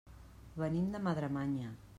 Venim de Madremanya.